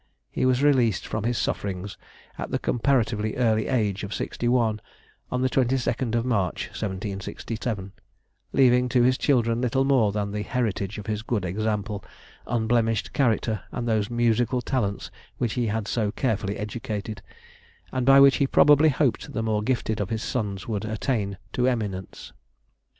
He was released from his sufferings at the comparatively early age of sixty one on the 22nd March, 1767, leaving to his children little more than the heritage of his good example, unblemished character, and those musical talents which he had so carefully educated, and by which he probably hoped the more gifted of his sons would attain to eminence.